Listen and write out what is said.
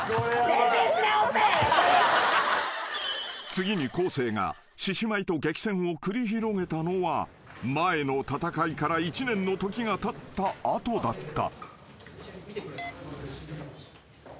［次に昴生が獅子舞と激戦を繰り広げたのは前の戦いから１年の時がたった後だった］